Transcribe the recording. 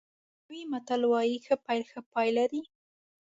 ایټالوي متل وایي ښه پیل ښه پای لري.